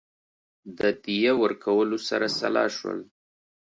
د دیه ورکولو سره سلا شول.